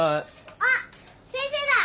あっ先生だ！